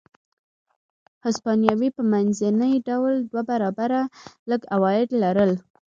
هسپانوي په منځني ډول دوه برابره لږ عواید لرل.